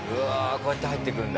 こうやって入っていくんだ。